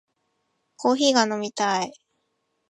コーヒーが飲みたい